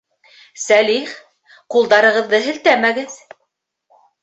Сәлих, ҡулдарығыҙҙы һелтәмәгеҙ!